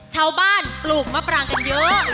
เช้าบ้านปลูกมะปรางกันเยอะเลย